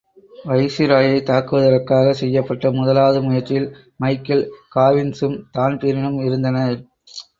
வைசிராயைத் தாக்குவதற்காகச் செய்யப்பட்ட முதலாவது முயற்சியில் மைக்கேல் காவின்ஸும் தான்பிரீனும் இருந்தனர்.